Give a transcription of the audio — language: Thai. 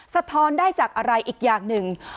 สะท้อนได้จากอะไรอีกอย่างหนึ่ง